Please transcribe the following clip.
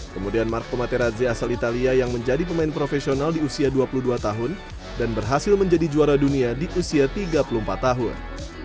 kemudian marco materaze asal italia yang menjadi pemain profesional di usia dua puluh dua tahun dan berhasil menjadi juara dunia di usia tiga puluh empat tahun